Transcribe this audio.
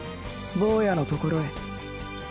坊やのところへ。